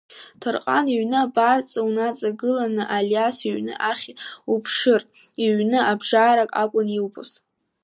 Ҭорҟан иҩны абарҵа уныҵагыланы Алиас иҩны ахь уԥшыр, иҩны абжарак акәын иубоз…